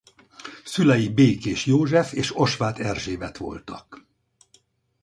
Szülei Békés József és Osváth Erzsébet voltak.